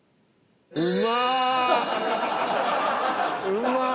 うまっ！